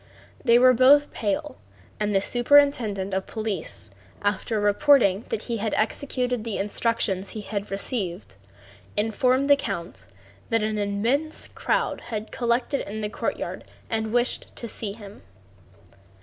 They were both pale, and the superintendent of police, after reporting that he had executed the instructions he had received, informed the count that an immense crowd had collected in the courtyard and wished to see him.